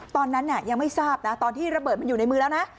ตอนนั้นยังไม่ทราบนะตอนที่ระเบิดมันอยู่ในมือแล้วนะ